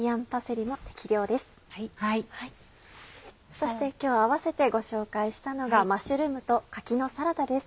そして今日併せてご紹介したのがマッシュルームと柿のサラダです。